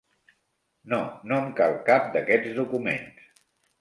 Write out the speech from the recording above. No, no em cal cap d'aquests documents.